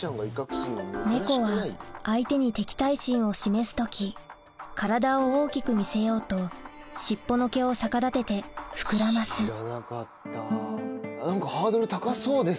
猫は相手に敵対心を示す時体を大きく見せようと尻尾の毛を逆立てて膨らますもう俺の。